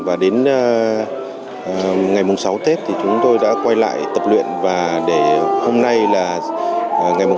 và đến ngày sáu tết thì chúng tôi đã quay lại tập luyện và để hôm nay là ngày bảy tết